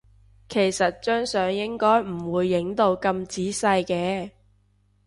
其實張相應該唔會影到咁仔細嘅